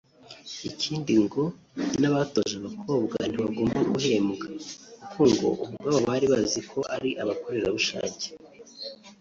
Ikindi ngo n’abatoje abakobwa ntibagombaga guhembwa kuko ngo bo ubwabo bari bazi ko ari abakorerabushake